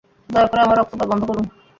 দয়া করে আমার রক্তপাত বন্ধ করুন।